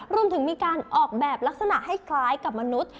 รวมถึงมีการออกแบบลักษณะให้คล้ายกับมนุษย์